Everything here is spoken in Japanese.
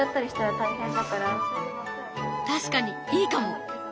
確かにいいかも！